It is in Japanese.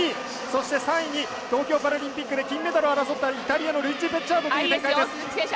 そして、３位に東京パラリンピックで金メダルを争ったイタリアのルイジ・ベッジャートという展開です。